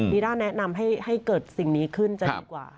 ีด้าแนะนำให้เกิดสิ่งนี้ขึ้นจะดีกว่า